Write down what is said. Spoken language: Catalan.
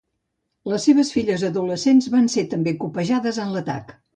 Les seves filles adolescents van ser també copejades en l'atac.